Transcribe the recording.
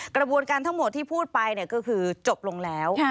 กระบวนการทั้งหมดที่พูดไปก็คือจบลงแล้ว